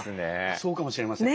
そうかもしれません。